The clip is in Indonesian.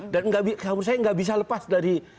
dan kalau menurut saya tidak bisa lepas dari